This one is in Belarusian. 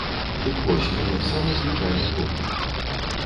Дык вось, ён самы звычайны гопнік.